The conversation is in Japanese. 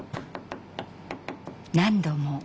何度も。